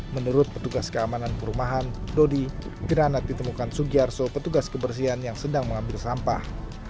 menurut petugas keamanan perumahan dodi granat ditemukan sugiarso petugas kebersihan yang sedang mengambil sampah